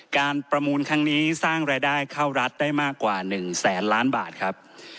การประมูลครั้งนี้สร้างรายได้เข้ารัฐได้มากกว่า๑แสนล้านบาทครับ